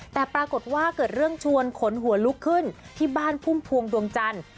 แต่ปรากฏว่าเกิดเรื่องชวนขนหัวลุกขึ้นที่บ้านพุ่มพวงดวงจันทร์